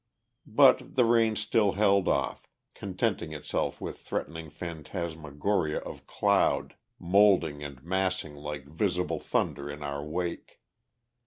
But the rain still held off, contenting itself with threatening phantasmagoria of cloud, moulding and massing like visible thunder in our wake.